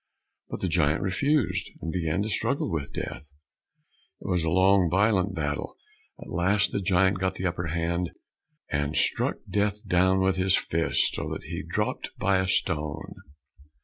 But the giant refused, and began to struggle with Death. It was a long, violent battle, at last the giant got the upper hand, and struck Death down with his fist, so that he dropped by a stone.